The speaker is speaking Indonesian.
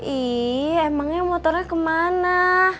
ih emangnya motornya kemana